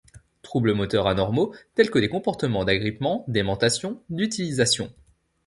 Troubles moteurs anormaux tels que des comportements d'agrippement, d'aimantation, d'utilisation.